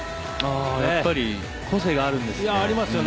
やっぱり個性があるんですね。